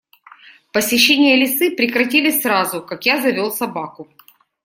Посещения лисы прекратились сразу, как я завёл собаку.